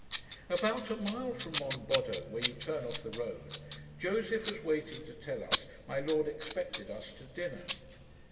About a mile from Monboddo, where you turn off the road, Joseph was waiting to tell us my lord expected us to dinner.